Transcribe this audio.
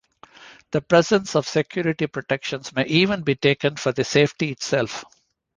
The presence of security protections may even be taken for the safety itself.